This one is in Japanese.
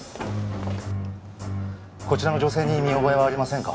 こちらの女性に見覚えはありませんか？